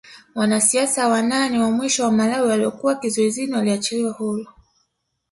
Wanasiasa wanane wa mwisho wa Malawi waliokuwa kizuizini waliachiliwa huru